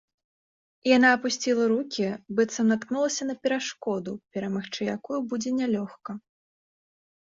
Яна апусціла рукі, быццам наткнулася на перашкоду, перамагчы якую будзе нялёгка.